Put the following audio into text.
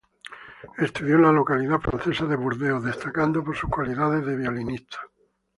Estudió en la localidad francesa de Burdeos, destacando por sus cualidades de violinista.